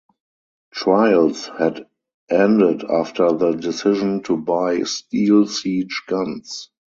Trials had ended after the decision to buy steel siege guns.